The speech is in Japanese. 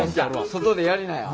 外でやりなや。